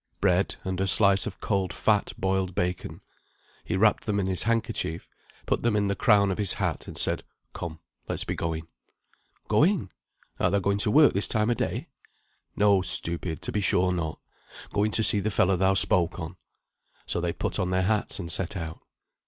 Bread, and a slice of cold fat boiled bacon. He wrapped them in his handkerchief, put them in the crown of his hat, and said "Come, let's be going." "Going art thou going to work this time o' day?" "No, stupid, to be sure not. Going to see the fellow thou spoke on." So they put on their hats and set out.